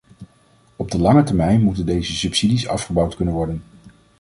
Op de lange termijn moeten deze subsidies afgebouwd kunnen worden.